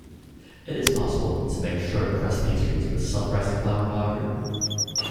It is possible to make shortcrust pastry with self-rising flour, however.